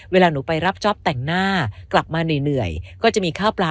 เวลาหนูไปรับจ๊อปแต่งหน้ากลับมาเหนื่อยก็จะมีข้าวปลา